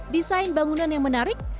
desain bangunan yang menarik